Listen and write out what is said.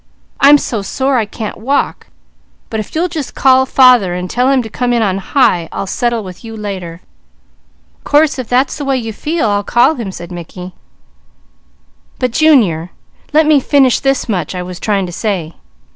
I'm so sore I can't walk, but if you'll just call father and tell him to come in on high, I'll settle with you later." "Course if that's the way you feel, I'll call him," said Mickey, "but Junior, let me finish this much I was trying to say.